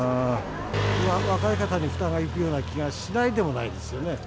若い方に負担がいくような気がしないでもないですよね。